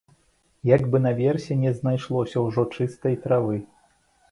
Як бы наверсе не знайшлося ўжо чыстай травы.